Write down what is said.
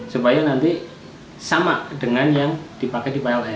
supaya nanti sama dengan yang dipakai di pln